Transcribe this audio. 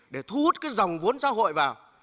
để thu hút cái dòng vốn xã hội vào